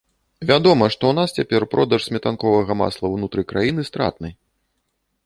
Вядома, што ў нас цяпер продаж сметанковага масла ўнутры краіны стратны.